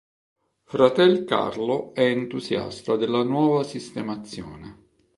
Fratel Carlo è entusiasta della nuova sistemazione.